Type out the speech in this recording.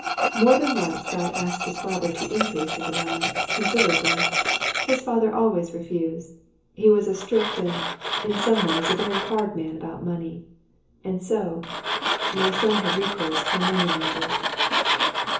More than once Guy asked his father to increase his allowance considerably. His father always refused he was a strict and, in some ways, a very hard man about money. And so my son had recourse to a money lender."